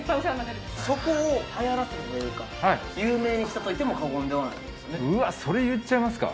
そこを流行らせたというか、有名にしたと言っても過言ではないですね。